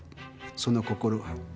その心は。